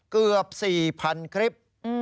เกือบ๔๐๐๐คลิป